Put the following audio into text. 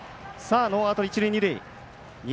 ノーアウト、一塁二塁。